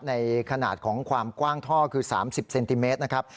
ในขนาดของความกว้างท่อคือ๓๐เซนติเมตรนะครับ